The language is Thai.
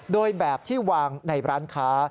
โดยแบบที่วางในร้านค้า